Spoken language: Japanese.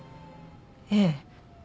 ええ。